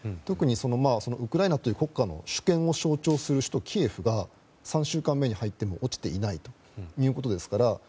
特に、ウクライナという国家の主権を象徴する首都キエフが３週間目に入っても落ちていないということですから。